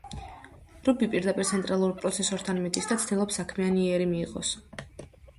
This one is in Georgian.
რუბი პირდაპირ ცენტრალურ პროცესორთან მიდის და ცდილობს საქმიანი იერი მიიღოს.